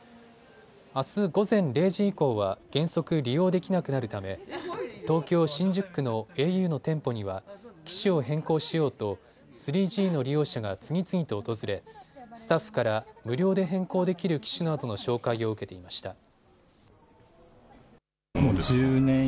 あす午前０時以降は原則、利用できなくなるため東京新宿区のａｕの店舗には機種を変更しようと３Ｇの利用者が次々と訪れスタッフから無料で変更できる機種などの紹介を受けていました。